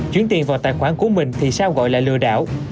chuyển tiền vào tài khoản của mình thì sao gọi là lừa đảo